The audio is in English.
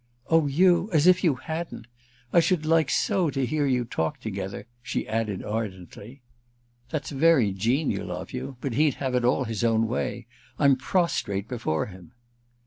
"Oh you—as if you hadn't! I should like so to hear you talk together," she added ardently. "That's very genial of you; but he'd have it all his own way. I'm prostrate before him."